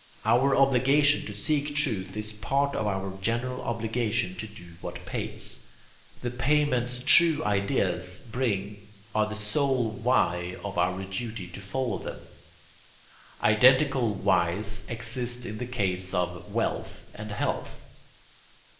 Our obligation to seek truth is part of our general obligation to do what pays. The payments true ideas bring are the sole why of our duty to follow them. Identical whys exist in the case of wealth and health.